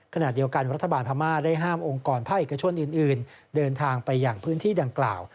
ขณะเดียวกันรัฐบาลพม่าได้ห้ามองค์กรภาคเอกชนอื่นเดินทางไปอย่างพื้นที่ดังกล่าว